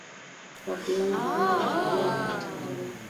wakionya kuwa nchi hiyo iko hatarini